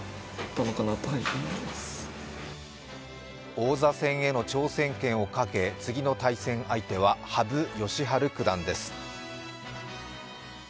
王座戦への挑戦権をかけ次の対戦相手は羽生善治９段です。